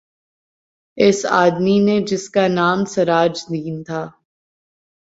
اس آدمی نے جس کا نام سراج دین تھا